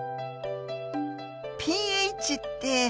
ｐＨってえ